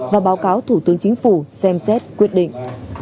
và báo cáo thủ tướng chính phủ xem xét quyết định